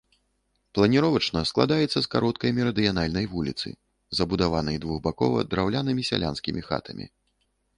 Планіровачна складаецца з кароткай мерыдыянальнай вуліцы, забудаванай двухбакова драўлянымі сялянскімі хатамі.